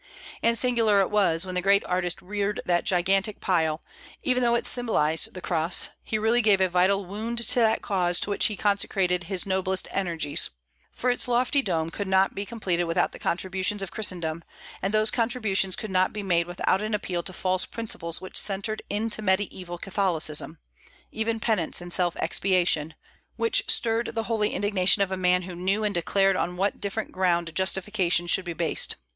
And singular it was, when the great artist reared that gigantic pile, even though it symbolized the cross, he really gave a vital wound to that cause to which he consecrated his noblest energies; for its lofty dome could not be completed without the contributions of Christendom, and those contributions could not be made without an appeal to false principles which entered into Mediaeval Catholicism, even penance and self expiation, which stirred the holy indignation of a man who knew and declared on what different ground justification should be based.